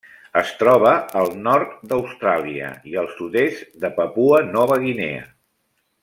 Es troba al nord d'Austràlia i al sud-est de Papua Nova Guinea.